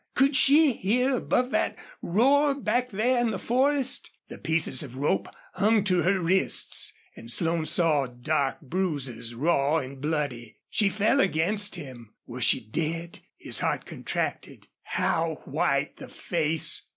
Could she hear above that roar back there in the forest? The pieces of rope hung to her wrists and Slone saw dark bruises, raw and bloody. She fell against him. Was she dead? His heart contracted. How white the face!